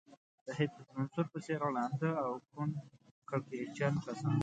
د حفیظ منصور په څېر ړانده او کڼ کرکجن کسان.